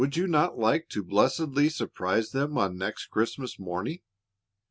Would you not like to blessedly surprise them on next Christmas morning?